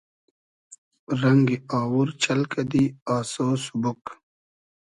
رئنگی آوور چئل کئدی آسۉ سوبوگ